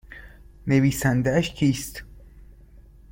نویسندهاش کیست؟